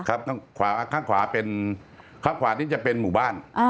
ครับข้างขวานี่จะเป็นหมู่บ้าน